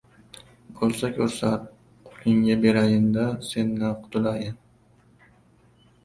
Bo‘lsa ko‘rsat, qo‘lingga berayin-da, sendan qutulayin?!